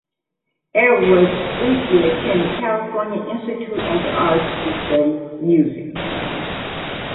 Edwards briefly attended California Institute of the Arts to study music.